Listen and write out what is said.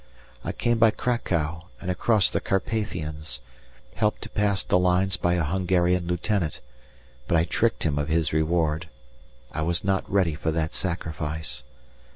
I came by Cracow, and across the Carpathians, helped to pass the lines by a Hungarian Lieutenant but I tricked him of his reward; I was not ready for that sacrifice.